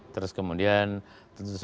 terus kemudian tentu saja